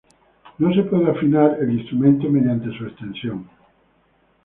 No se puede afinar el instrumento mediante su extensión.